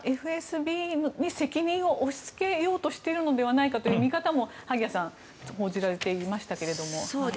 ＦＳＢに責任を押しつけようとしているのではないかという見方も萩谷さん報じられていましたけれども。